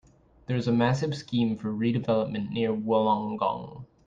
There is a massive scheme for redevelopment near Wollongong.